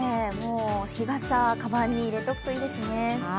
日傘、かばんに入れておくといいですね。